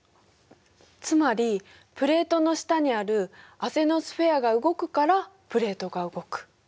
つまりプレートの下にあるアセノスフェアが動くからプレートが動く。